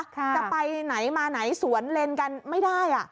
ค่ะก็ไปไหนมาไหนสวนเร่นกันไม่ได้อ่ะ